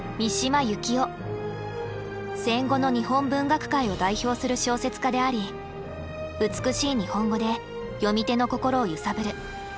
戦後の日本文学界を代表する小説家であり美しい日本語で読み手の心を揺さぶる。